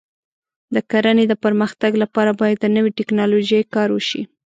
د کرنې د پرمختګ لپاره باید د نوې ټکنالوژۍ کار وشي.